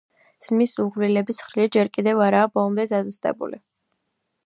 ზმნის უღვლილების ცხრილი ჯერ კიდევ არაა ბოლომდე დაზუსტებული.